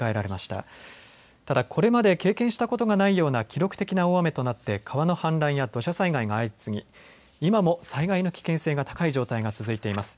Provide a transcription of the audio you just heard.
ただ、これまで経験したことがないような記録的な大雨となって川の氾濫や土砂災害が相次ぎ今も災害の危険性が高い状態が続いています。